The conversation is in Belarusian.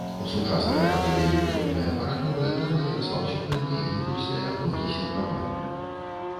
У сучаснай радыёэлектроннай апаратуры атрымалі распаўсюджанне імпульсныя блокі сілкавання.